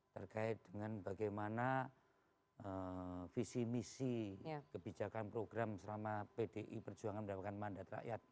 terkait dengan bagaimana visi misi kebijakan program selama pdi perjuangan mendapatkan mandat rakyat